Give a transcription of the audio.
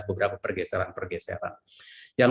beberapa pergeseran pergeseran yang